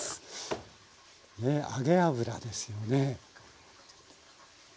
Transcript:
ねえ揚げ油ですよね。